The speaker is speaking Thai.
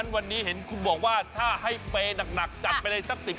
วันนี้เห็นคุณบอกว่าถ้าให้เปย์หนักจัดไปเลยสัก๑๐